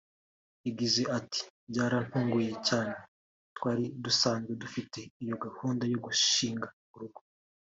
yagize ati “Byaranuguye cyane twari dusanzwe dufite iyo gahunda yo gushinga urugo